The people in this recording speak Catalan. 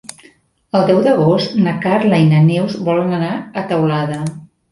El deu d'agost na Carla i na Neus volen anar a Teulada.